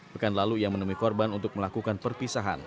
pekan lalu ia menemui korban untuk melakukan perpisahan